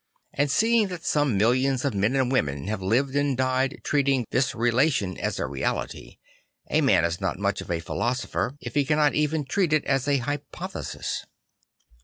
And seeing that some millions of men and women have lived and died treating this relation as a reality, a man is not much of a philosopher if he cannot even treat it as a hypothesis.